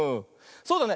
そうだね。